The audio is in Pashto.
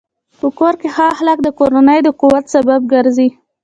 په کور کې ښه اخلاق د کورنۍ د قوت سبب ګرځي.